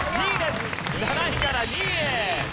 ７位から２位へ！